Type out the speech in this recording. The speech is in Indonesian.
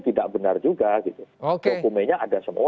tidak benar juga